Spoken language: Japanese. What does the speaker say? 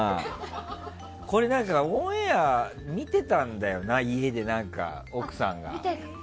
オンエア見てたんだよな家で奥さんが。